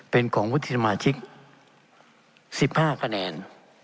เป็นของวุฒิสมาชิก๑๕คะแนน